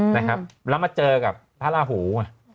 แล้วมาเจอกับธรหู